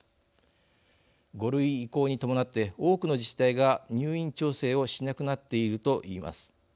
５類移行に伴って多くの自治体が入院調整をしなくなっていると言います。